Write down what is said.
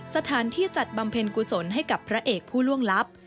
สถานที่จัดบำเพ็ญกุศลให้กับพระเอกผู้ล่วงลับ